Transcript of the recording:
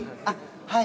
◆はい。